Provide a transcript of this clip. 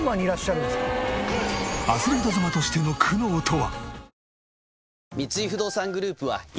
アスリート妻としての苦悩とは？